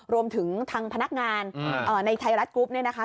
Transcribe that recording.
รวมถึงทางพนักงานในไทยรัฐกรุ๊ปเนี่ยนะคะ